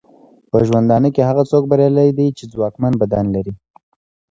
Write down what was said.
په ژوندانه کې هغه څوک بریالی دی چې ځواکمن بدن لري.